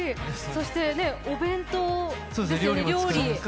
そしてお弁当ですよね、料理。